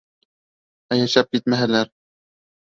Ә йәшәп китмәһәләр?